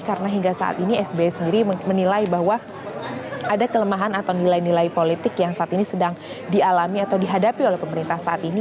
karena hingga saat ini sby sendiri menilai bahwa ada kelemahan atau nilai nilai politik yang saat ini sedang dialami atau dihadapi oleh pemerintah saat ini